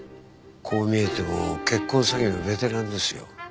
こう見えても結婚詐欺のベテランですよ。